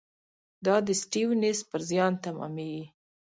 دا د سټیونز پر زیان تمامېږي.